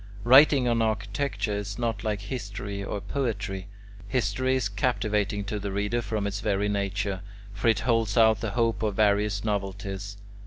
Writing on architecture is not like history or poetry. History is captivating to the reader from its very nature; for it holds out the hope of various novelties.